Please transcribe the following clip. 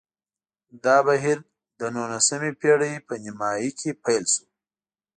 دا بهیر له نولسمې پېړۍ نیمايي پیل شو